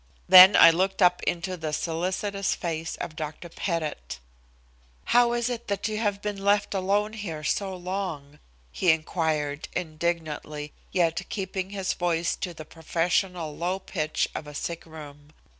Then I looked up into the solicitous face of Dr. Pettit. "How is it that you have been left alone here so long?" he inquired indignantly, yet keeping his voice to the professional low pitch of a sick room.